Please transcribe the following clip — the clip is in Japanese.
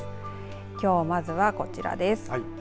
きょう、まずはこちらです。